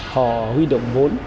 họ huy động vốn